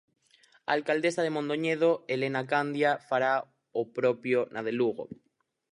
A alcaldesa de Mondoñedo, Elena Candia, fará o propio na de Lugo.